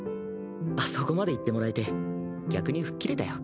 あそこまで言ってもらえて逆に吹っ切れたよ。